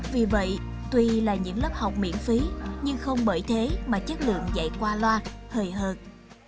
vì vậy tuy là những lớp học miễn phí nhưng không bởi thế mà chất lượng dạy qua loa hời hợt